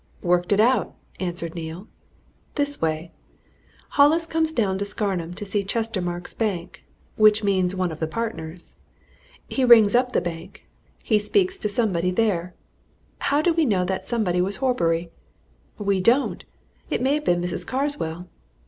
"Worked it out," answered Neale. "This way! Hollis comes down to Scarnham to see Chestermarke's Bank which means one of the partners. He rings up the bank. He speaks to somebody there. How do we know that somebody was Horbury? We don't! It may have been Mrs. Carswell.